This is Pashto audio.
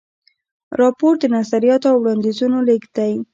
راپور د نظریاتو او وړاندیزونو لیږد دی.